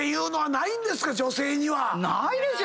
ないですよ。